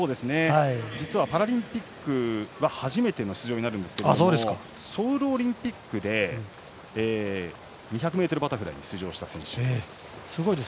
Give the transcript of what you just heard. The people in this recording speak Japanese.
実はパラリンピックは初めての出場になるんですがソウルオリンピックで２００ｍバタフライに出場した選手です。